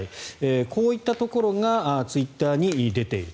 こういったところがツイッターに出ていると。